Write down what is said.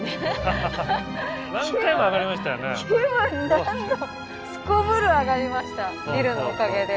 何度もすこぶるアガりましたビルのおかげで。